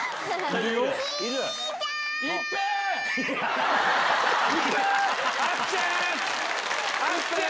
いっぺい！